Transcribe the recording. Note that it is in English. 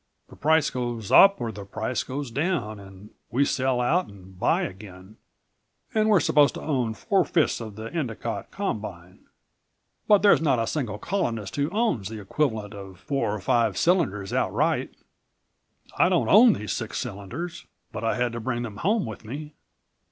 The price goes up or the price goes down and we sell out and buy again and we're supposed to own four fifths of the Endicott Combine. But there's not a single Colonist who owns the equivalent of four or five cylinders outright. I don't own these six cylinders. But I had to bring them home with me."